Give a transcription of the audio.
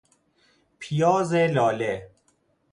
پیاز لاله